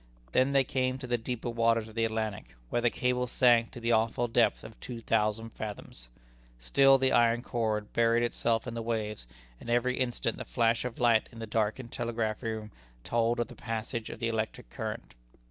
Then they came to the deeper waters of the Atlantic, where the cable sank to the awful depth of two thousand fathoms. Still the iron cord buried itself in the waves, and every instant the flash of light in the darkened telegraph room told of the passage of the electric current.